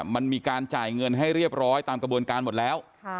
มันมีการจ่ายเงินให้เรียบร้อยตามกระบวนการหมดแล้ว